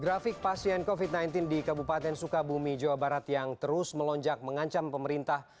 grafik pasien covid sembilan belas di kabupaten sukabumi jawa barat yang terus melonjak mengancam pemerintah